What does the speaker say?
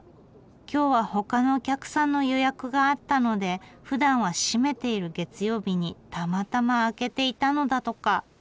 今日は他のお客さんの予約があったのでふだんは閉めている月曜日にたまたま開けていたのだとか。